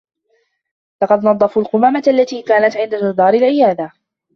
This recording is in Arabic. لقد نظّفوا القمامة التي كانت عند جدار العيادة.